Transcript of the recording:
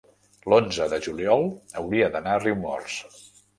l'onze de juliol hauria d'anar a Riumors.